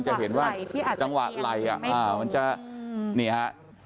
จังหวะไหล่อ่ะมันจะนี่ฮะ